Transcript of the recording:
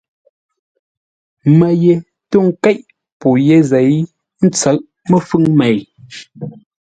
Mə́ ye tô ńkéʼ pô yé zêi, ə́ ntsə̌ʼ məfʉ̌ŋ mêi.